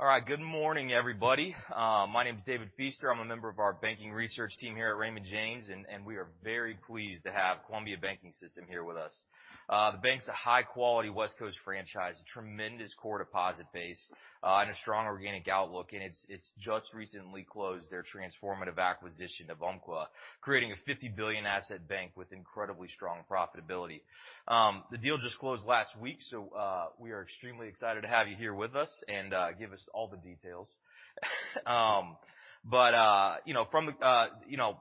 All right. Good morning, everybody. My name is David Feaster. I'm a member of our banking research team here at Raymond James, and we are very pleased to have Columbia Banking System here with us. The bank's a high-quality West Coast franchise, a tremendous core deposit base, and a strong organic outlook. It's just recently closed their transformative acquisition of Umpqua, creating a $50 billion asset bank with incredibly strong profitability. The deal just closed last week, we are extremely excited to have you here with us and give us all the details. You know, from, you know,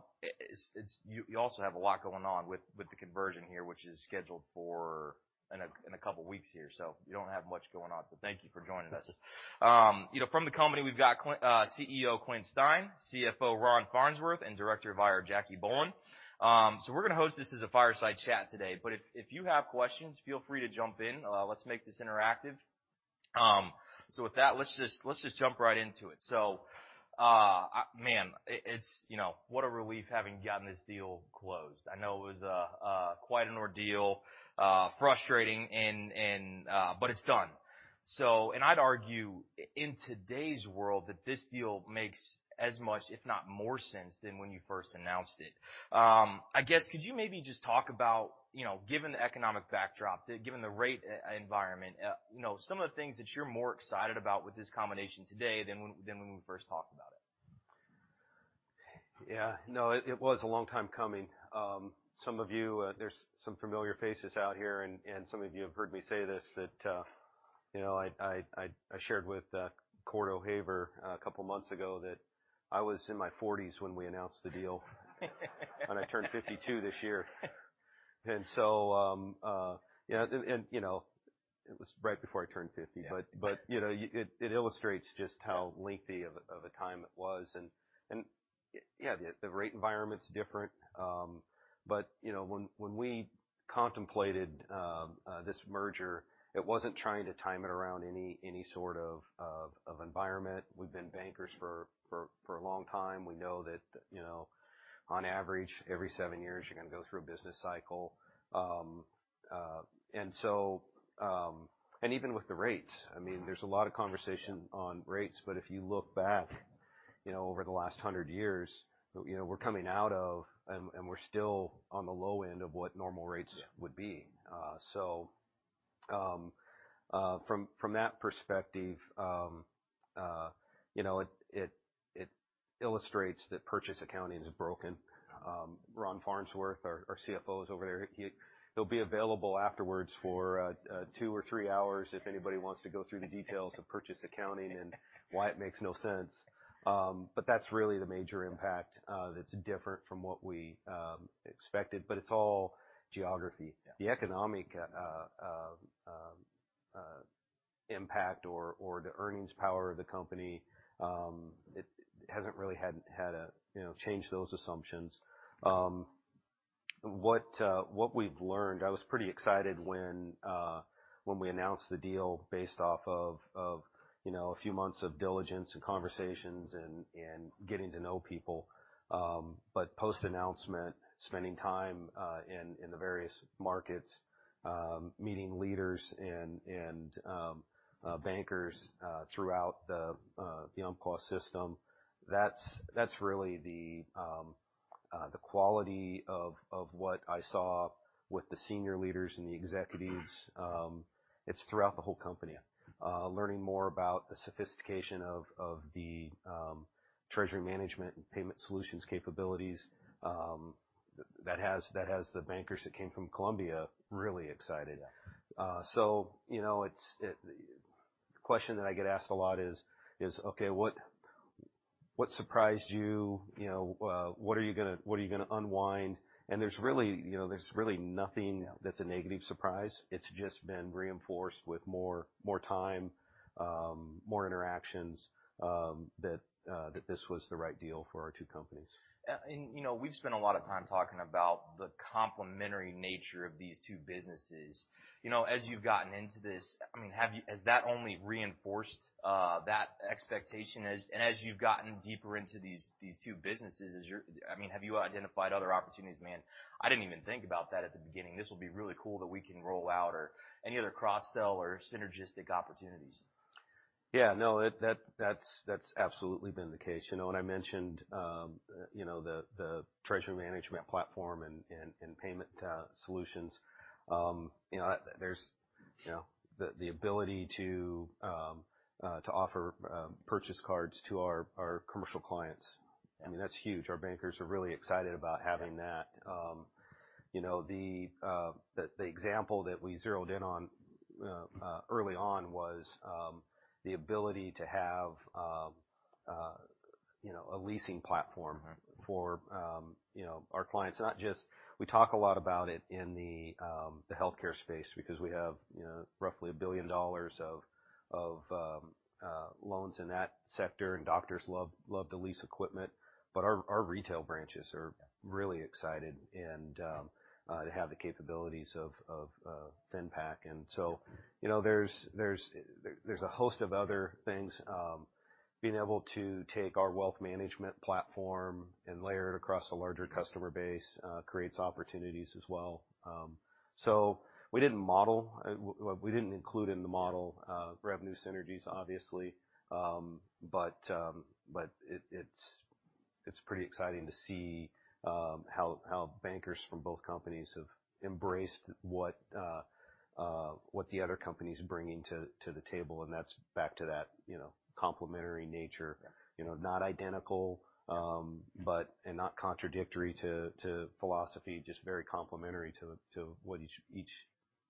you also have a lot going on with the conversion here, which is scheduled for in a couple of weeks here. You don't have much going on, so thank you for joining us. You know, from the company, we've got CEO Clint Stein, CFO Ron Farnsworth, and Director of IR Jacque Bohlen. We're going to host this as a fireside chat today. If you have questions, feel free to jump in. Let's make this interactive. With that, let's just jump right into it. Man, it's, you know, what a relief having gotten this deal closed. I know it was quite an ordeal, frustrating and, but it's done. And I'd argue in today's world that this deal makes as much, if not more sense than when you first announced it. I guess, could you maybe just talk about, you know, given the economic backdrop, given the rate environment, you know, some of the things that you're more excited about with this combination today than when we first talked about it? Yeah. No, it was a long time coming. some of you, there's some familiar faces out here, and some of you have heard me say this that, you know, I shared with Cort O'Haver a couple of months ago that I was in my forties when we announced the deal. I turned 52 this year. You know, and, you know, it was right before I turned 50. Yeah. You know, it illustrates just how lengthy of a time it was. Yeah, the rate environment is different. You know, when we contemplated this merger, it wasn't trying to time it around any sort of environment. We've been bankers for a long time. We know that, you know, on average, every seven years, you're going to go through a business cycle. Even with the rates, I mean, there's a lot of conversation on rates. If you look back, you know, over the last 100 years, you know, we're coming out of and we're still on the low end of what normal rates would be. From that perspective, you know, it illustrates that purchase accounting is broken. Ron Farnsworth, our CFO, is over there. He'll be available afterwards for two or three hours if anybody wants to go through the details of purchase accounting and why it makes no sense. That's really the major impact that's different from what we expected. It's all geography. Yeah. The economic impact or the earnings power of the company, it hasn't really had a, you know, change those assumptions. What we've learned. I was pretty excited when we announced the deal based off of, you know, a few months of diligence and conversations and getting to know people. Post-announcement, spending time in the various markets, meeting leaders and bankers throughout the Umpqua system, that's really the quality of what I saw with the senior leaders and the executives. It's throughout the whole company. Learning more about the sophistication of the treasury management and payment solutions capabilities, that has the bankers that came from Columbia really excited. You know, the question that I get asked a lot is, "Okay, what surprised you? You know, what are you gonna unwind?" There's really, you know, there's really nothing that's a negative surprise. It's just been reinforced with more time, more interactions, that this was the right deal for our two companies. You know, we've spent a lot of time talking about the complementary nature of these two businesses. You know, as you've gotten into this, I mean, has that only reinforced that expectation and as you've gotten deeper into these two businesses, I mean, have you identified other opportunities, "Man, I didn't even think about that at the beginning. This will be really cool that we can roll out," or any other cross-sell or synergistic opportunities? Yeah. No, that's absolutely been the case. You know, when I mentioned, you know, the treasury management platform and payment solutions, you know, there's, you know, the ability to offer purchasing cards to our commercial clients. I mean, that's huge. Our bankers are really excited about having that. You know, the example that we zeroed in on early on was, you know, the ability to have, you know, a leasing platform- Right. for, you know, our clients, not just we talk a lot about it in the healthcare space because we have, you know, roughly $1 billion of loans in that sector, and doctors love to lease equipment. Our retail branches are really excited and to have the capabilities of FinPac. You know, there's a host of other things. Being able to take our wealth management platform and layer it across a larger customer base, creates opportunities as well. We didn't model, we didn't include in the model, revenue synergies, obviously. It's pretty exciting to see how bankers from both companies have embraced what the other company's bringing to the table, and that's back to that, you know, complementary nature. Yeah. You know, not identical, and not contradictory to philosophy, just very complementary to what each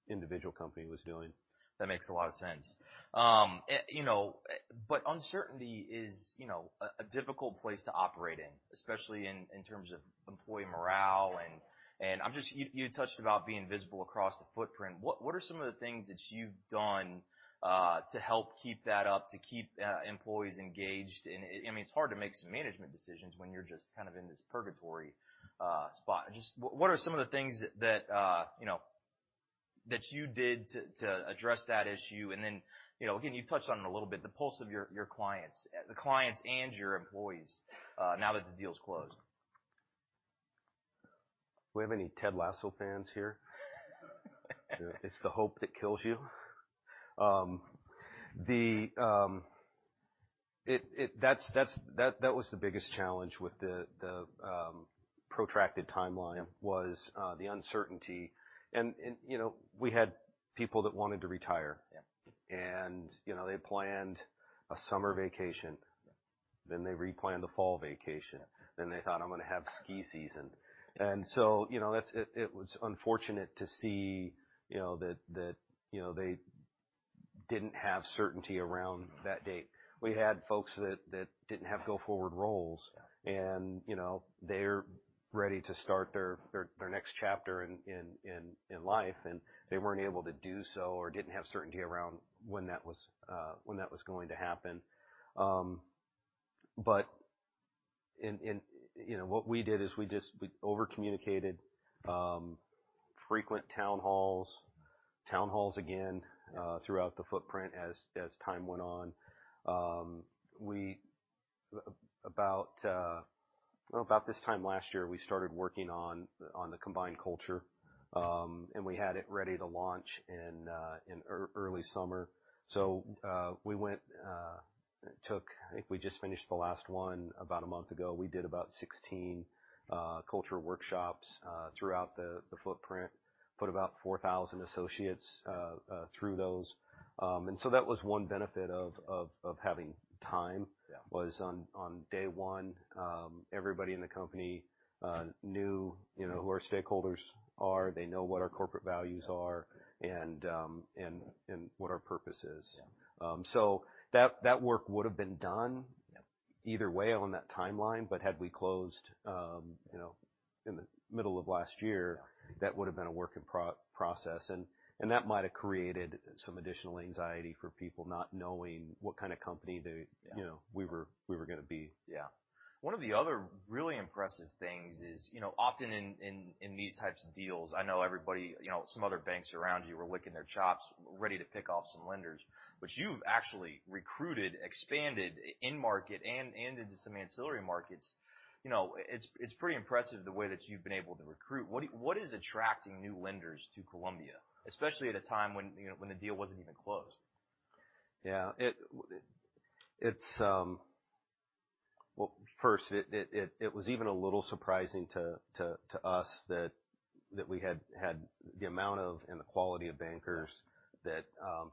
individual company was doing. That makes a lot of sense. You know, uncertainty is, you know, a difficult place to operate in, especially in terms of employee morale, and I'm just. You touched about being visible across the footprint. What are some of the things that you've done to help keep that up, to keep employees engaged? I mean, it's hard to make some management decisions when you're just kind of in this purgatory spot. Just what are some of the things that, you know, that you did to address that issue? Then, you know, again, you touched on it a little bit, the pulse of your clients and your employees, now that the deal's closed. Do we have any Ted Lasso fans here? It's the hope that kills you. The, that's, that was the biggest challenge with the protracted timeline was the uncertainty. You know, we had people that wanted to retire. Yeah. You know, they planned a summer vacation. Yeah. They replanned a fall vacation. Yeah. They thought, "I'm gonna have ski season. Yeah. You know, that's it. It was unfortunate to see, you know, that, you know, they didn't have certainty around that date. We had folks that didn't have go-forward roles. Yeah. You know, they're ready to start their next chapter in life, and they weren't able to do so or didn't have certainty around when that was going to happen. You know, what we did is we over-communicated, frequent town halls, town halls again, throughout the footprint as time went on. We about, well, about this time last year, we started working on the combined culture. We had it ready to launch in early summer. We went, I think we just finished the last one about a month ago. We did about 16 culture workshops throughout the footprint. Put about 4,000 associates through those. That was one benefit of having. Yeah. was on day one, everybody in the company, knew, you know, who our stakeholders are. They know what our corporate values are and what our purpose is. Yeah. That work would've been done. Yeah. either way on that timeline. Had we closed, you know, in the middle of last year. Yeah. that would've been a work in process, and that might've created some additional anxiety for people not knowing what kind of company. Yeah. you know we were gonna be. One of the other really impressive things is, you know, often in, in these types of deals, I know everybody, you know, some other banks around you were licking their chops ready to pick off some lenders. You've actually recruited, expanded in market and into some ancillary markets. You know, it's pretty impressive the way that you've been able to recruit. What, what is attracting new lenders to Columbia, especially at a time when, you know, when the deal wasn't even closed? Yeah. Well, first, it was even a little surprising to us that we had the amount of and the quality of bankers that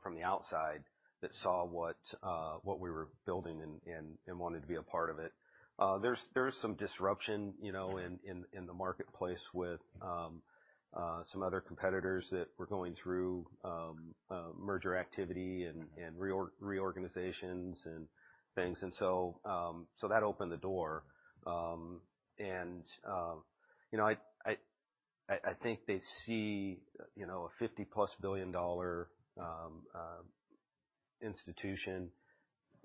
from the outside that saw what we were building and wanted to be a part of it. There is some disruption, you know, in the marketplace with some other competitors that were going through merger activity. Mm-hmm. reorganizations and things. So that opened the door. You know, I think they see, you know, a 50-plus billion dollar institution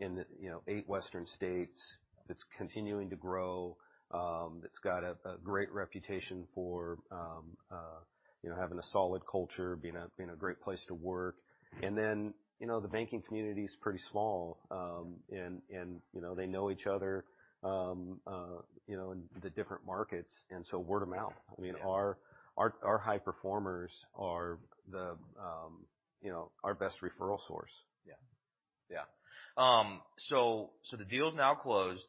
in the, you know, eight western states that's continuing to grow. That's got a great reputation for, you know, having a solid culture, being a great place to work. Then, you know, the banking community is pretty small, and, you know, they know each other, you know, in the different markets, so word of mouth. Yeah. I mean, our high performers are the, you know, our best referral source. Yeah. Yeah. The deal's now closed.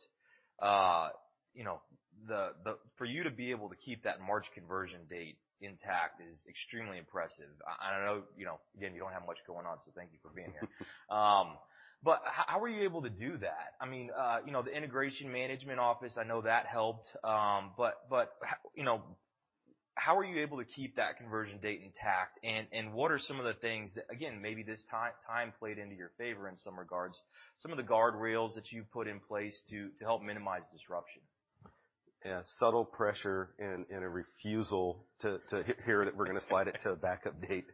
You know, the for you to be able to keep that March conversion date intact is extremely impressive. I know, you know, again, you don't have much going on, so thank you for being here. How were you able to do that? I mean, you know, the Integration Management Office, I know that helped. You know, how were you able to keep that conversion date intact? What are some of the things that, again, maybe this time played into your favor in some regards, some of the guardrails that you've put in place to help minimize disruption? Yeah. Subtle pressure and a refusal to hear that we're going to slide it to a backup date.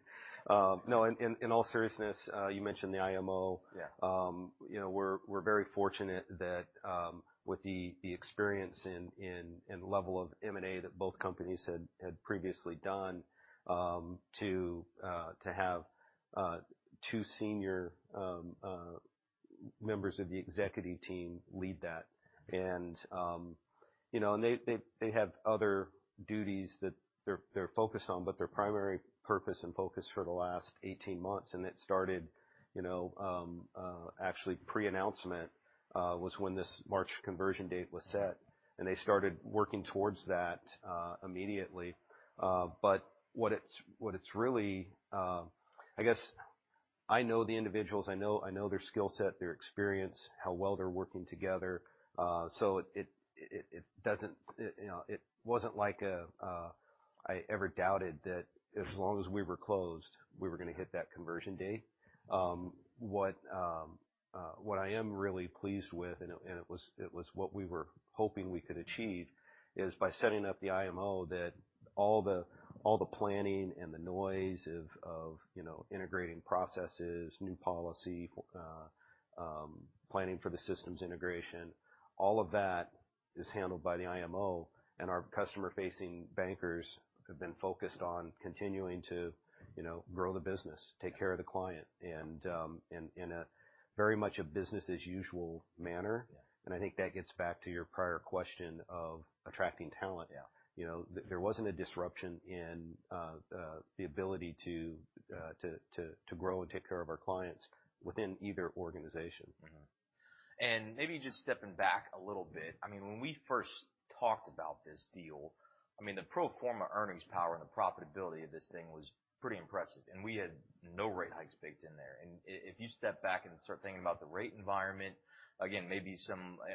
No, in all seriousness, you mentioned the IMO. Yeah. You know, we're very fortunate that with the experience and level of M&A that both companies had previously done, to have two senior Members of the executive team lead that. You know, they have other duties that they're focused on, but their primary purpose and focus for the last 18 months, and it started, you know, actually pre-announcement, was when this March conversion date was set, and they started working towards that immediately. What it's really, I guess I know the individuals, I know their skill set, their experience, how well they're working together. It doesn't, you know, it wasn't like I ever doubted that as long as we were closed, we were going to hit that conversion date. What I am really pleased with, and it was what we were hoping we could achieve, is by setting up the IMO that all the planning and the noise of, you know, integrating processes, new policy, planning for the systems integration, all of that is handled by the IMO and our customer-facing bankers have been focused on continuing to, you know, grow the business, take care of the client, and in a very much a business as usual manner. Yeah. I think that gets back to your prior question of attracting talent. Yeah. You know, there wasn't a disruption in the ability to grow and take care of our clients within either organization. Mm-hmm. Maybe just stepping back a little bit. I mean, when we first talked about this deal, I mean, the pro forma earnings power and the profitability of this thing was pretty impressive. We had no rate hikes baked in there. If you step back and start thinking about the rate environment, again, maybe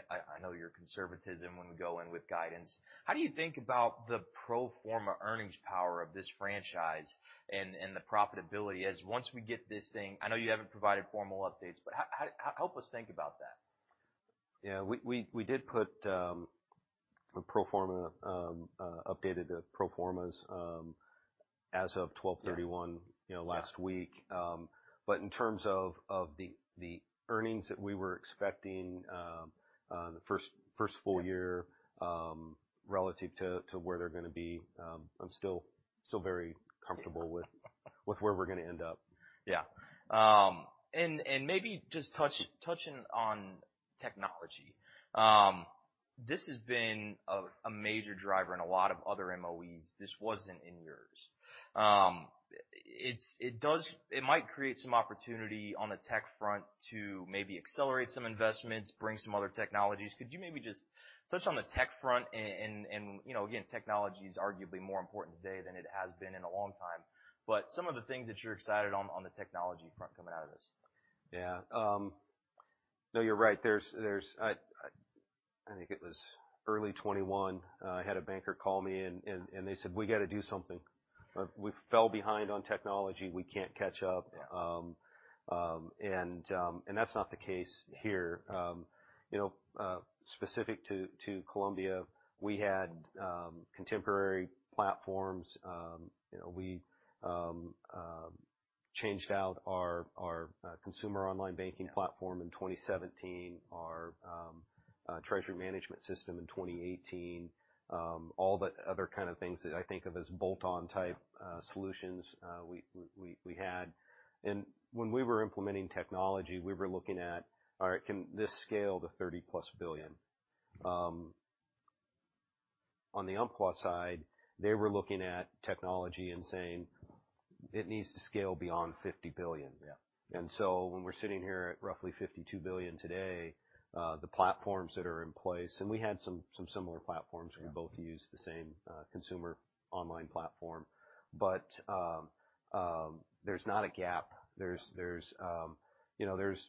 I know your conservatism when we go in with guidance. How do you think about the pro forma earnings power of this franchise and the profitability as once we get this thing? I know you haven't provided formal updates, but how help us think about that? Yeah. We did put, a pro forma, updated the pro formas, as of 12/31, you know, last week. In terms of the earnings that we were expecting, the first full year, relative to where they're going to be, I'm still very comfortable with where we're going to end up. Yeah, maybe just touching on technology. This has been a major driver in a lot of other MOEs. This wasn't in yours. It might create some opportunity on the tech front to maybe accelerate some investments, bring some other technologies. Could you maybe just touch on the tech front and, you know, again, technology is arguably more important today than it has been in a long time. Some of the things that you're excited on the technology front coming out of this. No, you're right. I think it was early 2021, I had a banker call me and they said, "We got to do something. We fell behind on technology. We can't catch up. Yeah. That's not the case here. You know, specific to Columbia, we had contemporary platforms. You know, we changed out our consumer online banking platform in 2017, our treasury management system in 2018. All the other kind of things that I think of as bolt-on type solutions, we had. When we were implementing technology, we were looking at, all right, can this scale to $30+ billion? On the Umpqua side, they were looking at technology and saying, "It needs to scale beyond $50 billion. Yeah. When we're sitting here at roughly $52 billion today, the platforms that are in place, and we had some similar platforms. Yeah. We both use the same, consumer online platform. There's not a gap. Yeah. There's, you know, there's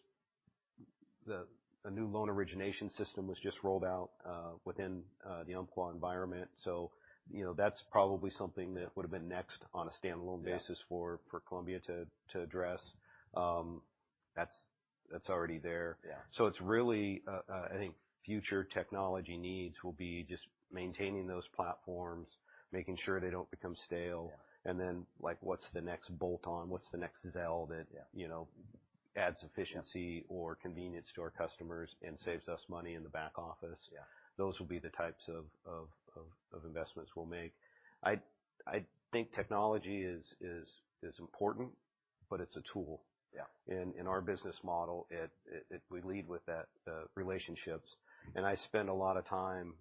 a new loan origination system was just rolled out within the Umpqua environment. You know, that's probably something that would have been next on a standalone basis. Yeah ...for Columbia to address. That's already there. Yeah. It's really, I think future technology needs will be just maintaining those platforms, making sure they don't become stale. Yeah. Like, what's the next bolt-on? What's the next Zelle that- Yeah ...you know, adds efficiency or convenience to our customers and saves us money in the back office? Yeah. Those will be the types of investments we'll make. I think technology is important, but it's a tool. Yeah. In our business model, we lead with that relationships. I spend a lot of time,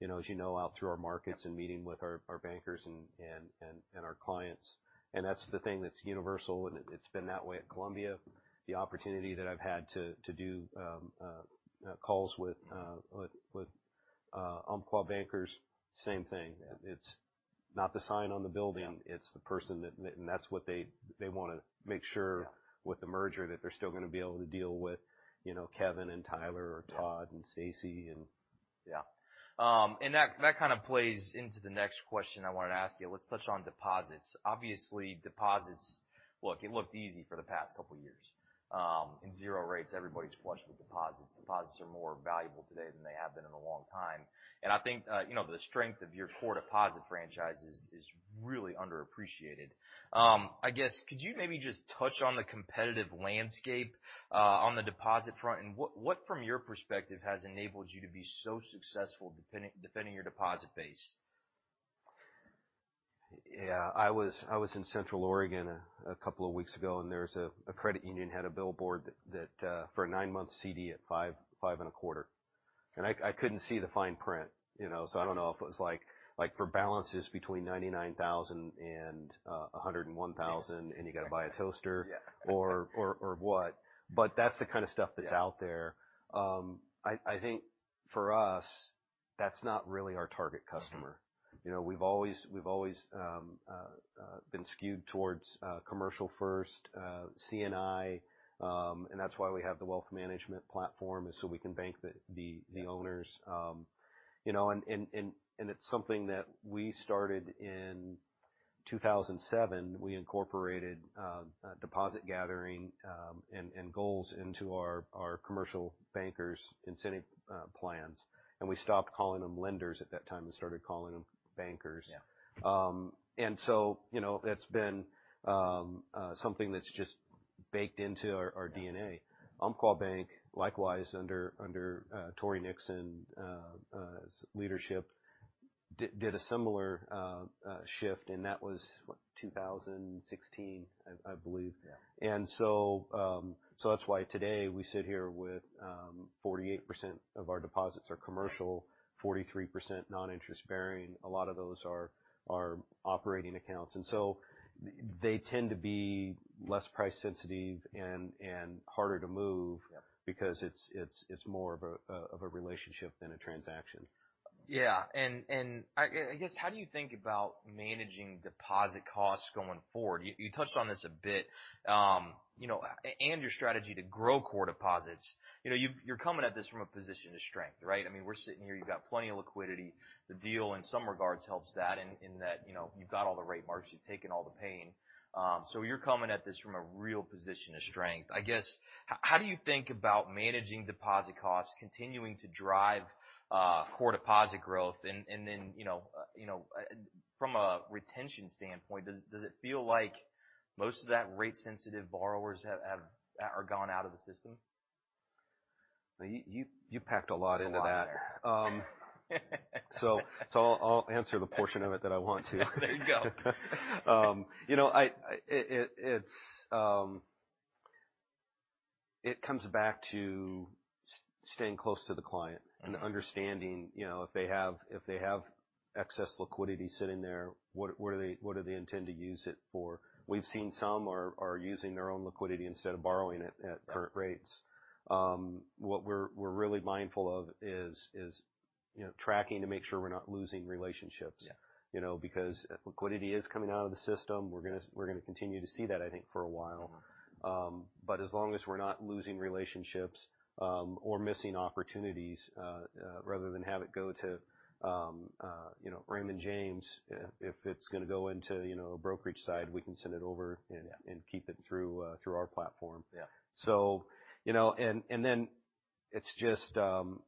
you know, as you know, out through our markets and meeting with our bankers and our clients. That's the thing that's universal, and it's been that way at Columbia. The opportunity that I've had to do calls with Umpqua bankers, same thing. It's not the sign on the building, it's the person and that's what they want to make sure. Yeah ...with the merger, that they're still going to be able to deal with, you know, Kevin and Tyler or Todd and Stacey and... Yeah. That, that kind of plays into the next question I wanted to ask you. Let's touch on deposits. Obviously, deposits look, it looked easy for the past couple of years. In zero rates, everybody's flushed with deposits. Deposits are more valuable today than they have been in a long time. I think, you know, the strength of your core deposit franchise is really underappreciated. I guess, could you maybe just touch on the competitive landscape, on the deposit front? What, what from your perspective has enabled you to be so successful defending your deposit base? I was in Central Oregon a couple of weeks ago, and there was a credit union had a billboard that for a 9-month CD at five and a quarter. I couldn't see the fine print, you know. I don't know if it was like, for bal ances between 99,000 and 101,000. Yeah. You gotta buy a toaster. Yeah. What. That's the kinda stuff that's out there. I think for us, that's not really our target customer. Mm-hmm. You know, we've always been skewed towards commercial first, C&I, and that's why we have the wealth management platform, is so we can bank the owners. You know, it's something that we started in 2007. We incorporated deposit gathering, and goals into our commercial bankers' incentive plans. We stopped calling them lenders at that time and started calling them bankers. Yeah. You know, that's been something that's just baked into our DNA. Umpqua Bank, likewise, under Tory Nixon leadership did a similar shift. That was what? 2016, I believe. Yeah. So that's why today we sit here with, 48% of our deposits are commercial, 43% non-interest bearing. A lot of those are operating accounts. They tend to be less price sensitive and harder to move. Yeah. because it's more of a relationship than a transaction. Yeah. I guess, how do you think about managing deposit costs going forward? You touched on this a bit. You know, and your strategy to grow core deposits. You know, you're coming at this from a position of strength, right? I mean, we're sitting here, you've got plenty of liquidity. The deal in some regards helps that in that, you know, you've got all the rate marks, you've taken all the pain. So you're coming at this from a real position of strength. I guess, how do you think about managing deposit costs, continuing to drive core deposit growth? Then, you know, from a retention standpoint, does it feel like most of that rate sensitive borrowers are gone out of the system? You packed a lot into that. It's a lot there. I'll answer the portion of it that I want to. There you go. You know, It comes back to staying close to the client- Mm-hmm. Understanding, you know, if they have excess liquidity sitting there, what do they intend to use it for? We've seen some are using their own liquidity instead of borrowing it at current rates. What we're really mindful of is, you know, tracking to make sure we're not losing relationships. Yeah. You know, because if liquidity is coming out of the system, we're gonna continue to see that, I think, for a while. As long as we're not losing relationships, or missing opportunities, rather than have it go to, you know, Raymond James, if it's gonna go into, you know, a brokerage side, we can send it. Yeah. Keep it through our plaform. Yeah. You know, and then it's just through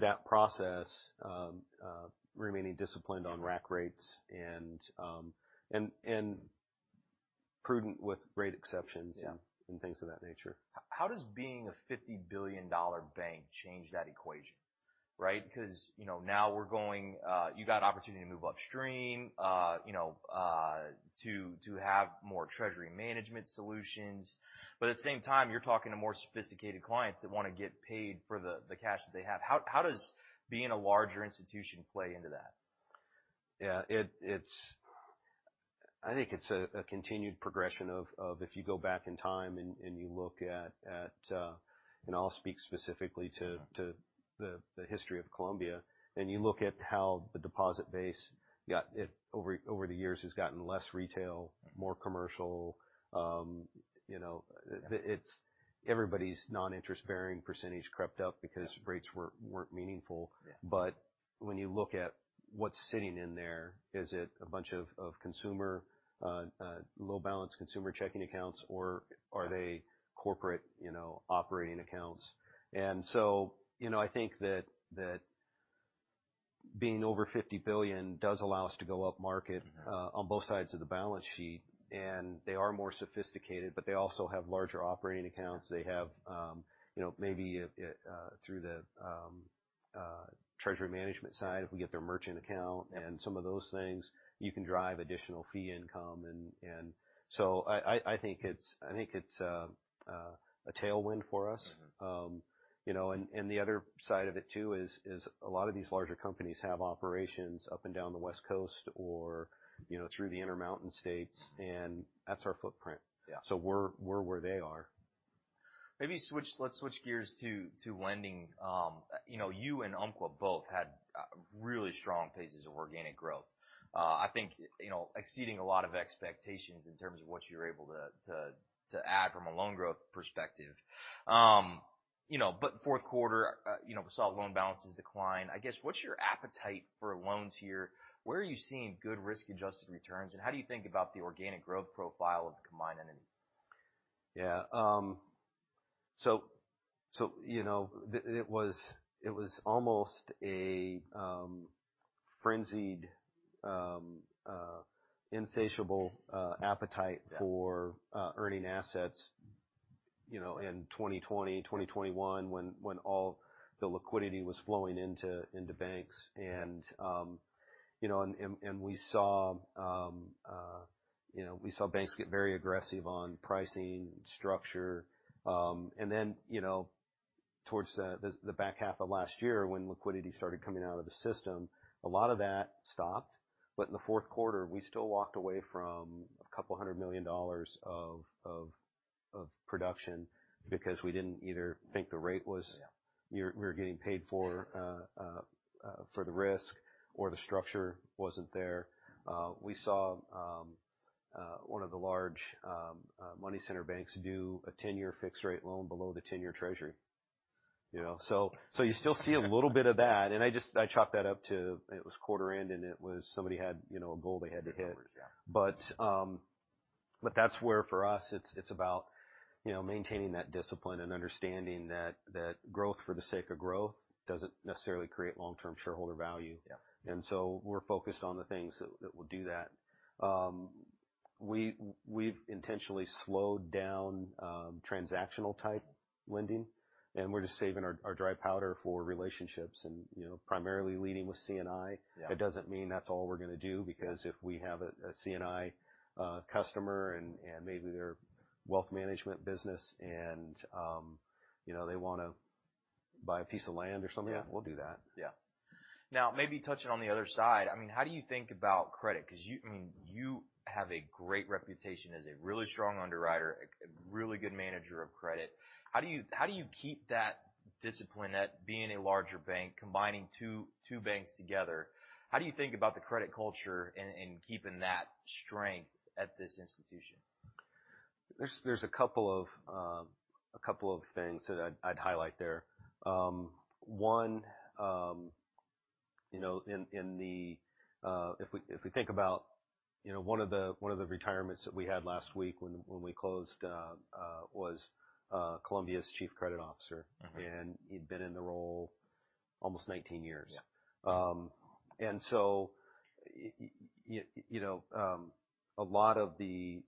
that process, remaining disciplined on rack rates and prudent with great exceptions. Yeah. things of that nature. How does being a $50 billion bank change that equation, right? You know, now we're going, you got opportunity to move upstream, you know, to have more treasury management solut ions. At the same time, you're talking to more sophisticated clients that wanna get paid for the cash that they have. How does being a larger institution play into that? Yeah. It's I think it's a continued progression of if you go back in time and you look at, and I'll speak specifically to the history of Columbia, and you look at how the deposit base got it. Over the years has gotten less retail- more commercial. you know, it's everybody's non-interest bearing % crept up because rates weren't meaningful. Yeah. When you look at what's sitting in there, is it a bunch of consumer, low balance consumer checking accounts, or are they corporate, you know, operating accounts? You know, I think that being over $50 billion does allow us to go up market, on both sides of the balance sheet. They are more sophisticated, but they also have larger operating accounts. They have, you know, maybe, through the treasury management side, if we get their merchant account and some of those things, you can drive additional fee income and. I think it's a tailwind for us. Mm-hmm. You know, and the other side of it too is a lot of these larger companies have operations up and down the West Coast or, you know, through the Intermountain states, and that's our footprint. Yeah. We're where they are. Maybe let's switch gears to lending. You know, you and Umpqua both had really strong paces of organic growth. I think, you know, exceeding a lot of expectations in terms of what you're able to add from a loan growth perspective. You know, fourth quarter, you know, we saw loan balances decline. I guess, what's your appetite for loans here? Where are you seeing good risk-adjusted returns, and how do you think about the organic growth profile of the combined entity? Yeah. you know, the, it was almost a, frenzied, insatiable, appetite... Yeah. -for earning assets. You know, in 2020, 2021, when all the liquidity was flowing into banks and, you know, we saw, you know, we saw banks get very aggressive on pricing, structure. You know, towards the back half of last year, when liquidity started coming out of the system, a lot of that stopped. In the fourth quarter, we still walked away from $200 million of production because we didn't either think the rate was- Yeah. we were getting paid for the risk or the structure wasn't there. We saw one of the large money center banks do a 10-year fixed rate loan below the 10-year treasury, you know? You still see a little bit of that. I chalk that up to it was quarter end, and it was somebody had, you know, a goal they had to hit. Yeah. That's where for us it's about, you know, maintaining that discipline and understanding that that growth for the sake of growth doesn't necessarily create long-term shareholder value. Yeah. We're focused on the things that will do that. We've intentionally slowed down transactional type lending, and we're just saving our dry powder for relationships and, you know, primarily leading with C&I. Yeah. That doesn't mean that's all we're going to do because if we have a C&I customer and maybe their wealth management business and, you know, they want to buy a piece of land or something. Yeah. we'll do that. Now, maybe touching on the other side. I mean, how do you think about credit? 'Cause I mean, you have a great reputation as a really strong underwriter, a really good manager of credit. How do you keep that discipline at being a larger bank, combining two banks together? How do you think about the credit culture and keeping that strength at this institution? There's a couple of, a couple of things that I'd highlight there. One, you know, in the, if we think about, you know, one of the retirements that we had last week when we closed, was Columbia's Chief Credit Officer. Mm-hmm. he'd been in the role almost 19 years. Yeah. You know, a lot of the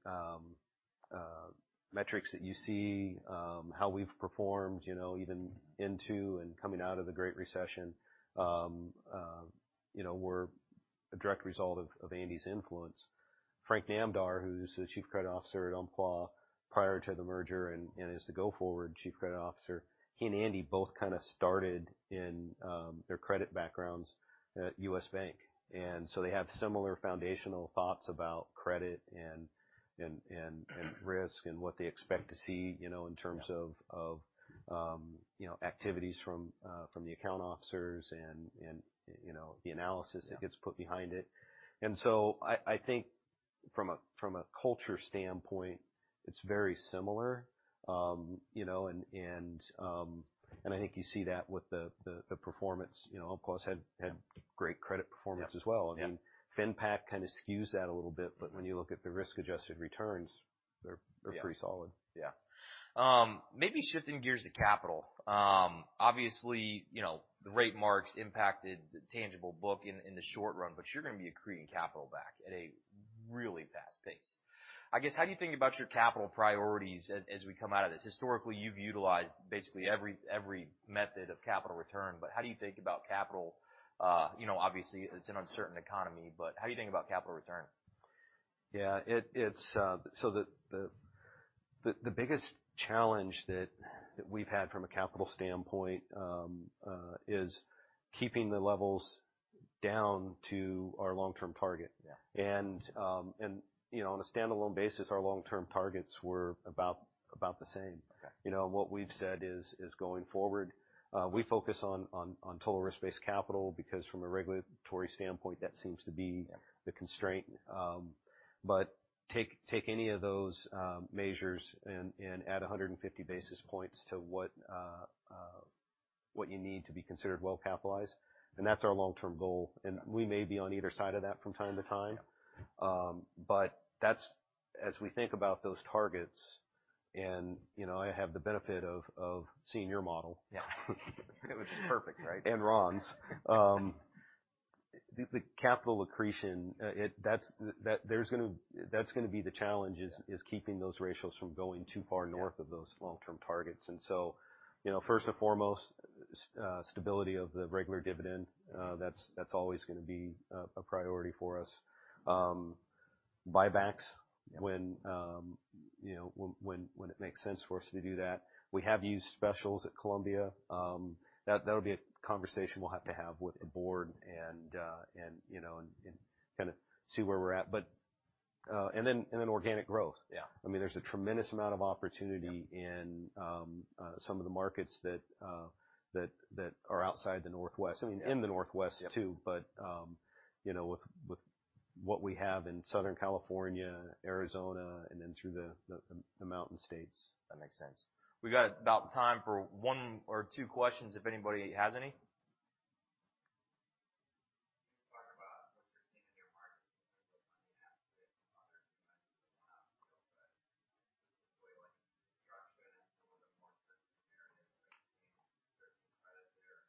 metrics that you see, how we've performed, you know, even into and coming out of the Great Recession, you know, were a direct result of Andy's influence. Frank Namdar, who's the Chief Credit Officer at Umpqua prior to the merger and is the go-forward Chief Credit Officer, he and Andy both kind of started in their credit backgrounds at U.S. Bank. They have similar foundational thoughts about credit and risk and what they expect to see, you know, in terms of. Yeah. -of, you know, activities from the account officers and, you know, the analysis that gets put behind it. I think from a, from a culture standpoint, it's very similar. You know, and I think you see that with the performance. You know, Umpqua's had great credit performance as well. Yeah. I mean, FinPac kind of skews that a little bit, but when you look at the risk-adjusted returns, they're pretty solid. Yeah. Yeah. Maybe shifting gears to capital. Obviously, you know, the rate marks impacted the tangible book in the short run, you're going to be accreting capital back at a really fast pace. I guess, how do you think about your capital priorities as we come out of this? Historically, you've utilized basically every method of capital return, how do you think about capital? you know, obviously it's an uncertain economy, how are you thinking about capital return? It's so the biggest challenge that we've had from a capital standpoint, is keeping the levels down to our long-term target. Yeah. You know, on a standalone basis, our long-term targets were about the same. Okay. You know, what we've said is going forward, we focus on total risk-based capital because from a regulatory standpoint, that seems to be the constraint. Take any of those measures and add 150 basis points to what you need to be considered well capitalized, and that's our long-term goal. Yeah. We may be on either side of that from time to time. Yeah. That's as we think about those targets and, you know, I have the benefit of seeing your model. Yeah. Which is perfect, right? Ron's. The capital accretion, that's gonna be the challenge is keeping those ratios from going too far north of those long-term targets. You know, first and foremost, stability of the regular dividend, that's always going to be a priority for us. Buybacks when, you know, when it makes sense for us to do that. We have used specials at Columbia. That'll be a conversation we'll have to have with the board and, you know, kind of see where we're at. Organic growth. Yeah. I mean, there's a tremendous amount of opportunity in some of the markets that are outside the Northwest. I mean, in the Northwest too, but, you know, with what we have in Southern California, Arizona, and then through the Mountain States. That makes sense. We got about time for one or two questions if anybody has any. Can you talk about what you're seeing in your markets in terms of on the asset rate from other two months to the one out real quick? Just the way like construction and some of the more conservative areas that you're seeing certain credit there and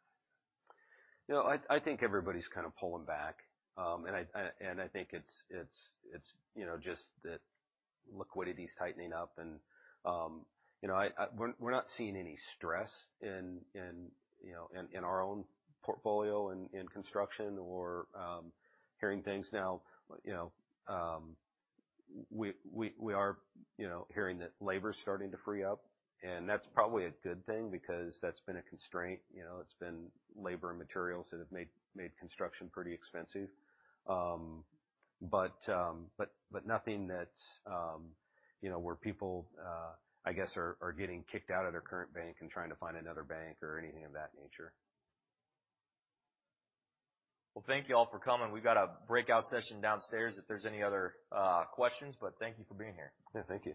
like that. You know, I think everybody's kind of pulling back. I, and I think it's, you know, just that liquidity is tightening up and, you know, I, we're not seeing any stress in, you know, in our own portfolio in construction or hearing things now. You know, we are, you know, hearing that labor is starting to free up, and that's probably a good thing because that's been a constraint. You know, it's been labor and materials that have made construction pretty expensive. But nothing that's, you know, where people, I guess, are getting kicked out of their current bank and trying to find another bank or anything of that nature. Thank you all for coming. We've got a breakout session downstairs if there's any other questions, but thank you for being here. Yeah. Thank you.